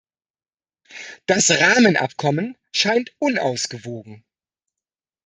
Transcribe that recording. Das Rahmenabkommen scheint unausgewogen.